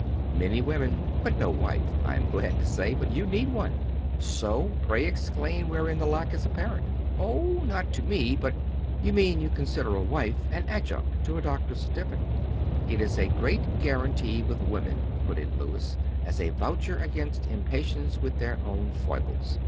"Many women, but no wife, I am glad to say. But you need one." "So! Pray explain wherein the lack is apparent." "Oh, not to me, but " "You mean you consider a wife an adjunct to a doctor's certificate." "It is a great guarantee with women," put in Louis, "as a voucher against impatience with their own foibles.